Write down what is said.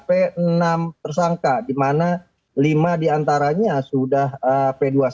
p enam tersangka di mana lima diantaranya sudah p dua puluh satu